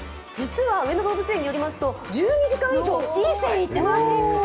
実は上野動物園によりますと１２時間以上、いい線いってます。